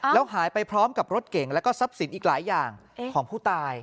แล้วหายไปพร้อมกับรถเก่งแล้วก็ทรัพย์สินอีกหลายอย่างของผู้ตาย